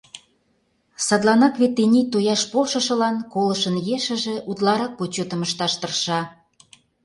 Садланак вет тений тояш полшышылан колышын ешыже утларак почётым ышташ тырша.